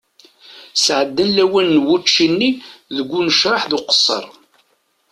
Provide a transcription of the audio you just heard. Sɛeddan lawan n wučči-nni deg unecreḥ d uqesser.